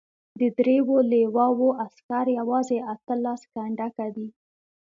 د دریو لواوو عسکر یوازې اته لس کنډکه دي.